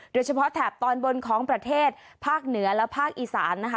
แถบตอนบนของประเทศภาคเหนือและภาคอีสานนะคะ